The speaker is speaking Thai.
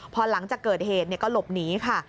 พอหลังจากเกิดเหตุก็หลบหนีค่ะ